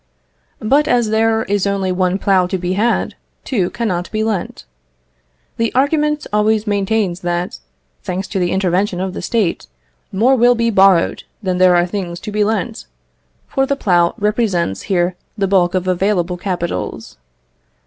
But as there is only one plough to be had, two cannot be lent. The argument always maintains that, thanks to the intervention of the State, more will be borrowed than there are things to be lent; for the plough represents here the bulk of available capitals.